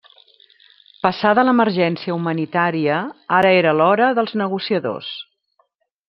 Passada l'emergència humanitària ara era l'hora dels negociadors.